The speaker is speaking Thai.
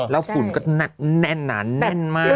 แล้วฝุ่นก็แน่นหนาแน่นมาก